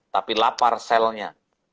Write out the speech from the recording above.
tapi lapar selnya